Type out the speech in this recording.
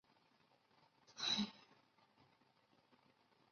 胱天蛋白酶是一类半胱氨酸蛋白酶的统称。